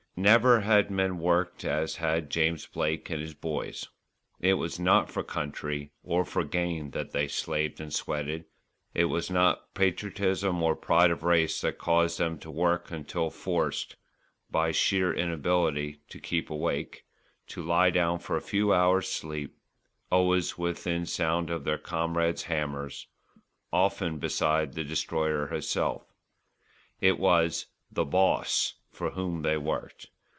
Never had men worked as had James Blake and his "boys." It was not for country or for gain that they slaved and sweated; it was not patriotism or pride of race that caused them to work until forced, by sheer inability to keep awake, to lie down for a few hours' sleep, always within sound of their comrades' hammers, often beside the Destroyer herself. It was "the Boss" for whom they worked.